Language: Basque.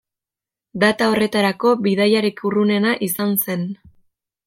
Data horretarako bidaiarik urrunena izan zen.